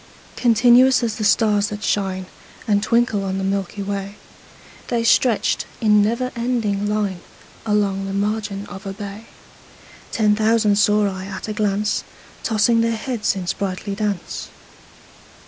Continuous as the stars that shine And twinkle on the milky way, The stretched in never ending line Along the margin of a bay: Ten thousand saw I at a glance, Tossing their heads in sprightly dance.